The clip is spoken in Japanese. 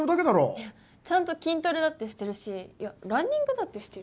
いやちゃんと筋トレだってしてるしいやランニングだってしてる。